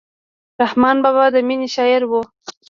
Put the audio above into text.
رحمان بابا د مینې شاعر و.